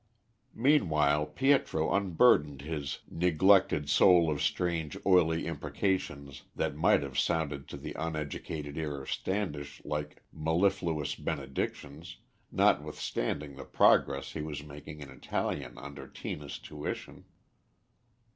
Meanwhile Pietro unburdened his neglected soul of strange oily imprecations that might have sounded to the uneducated ear of Standish like mellifluous benedictions, notwithstanding the progress he was making in Italian under Tina's tuition.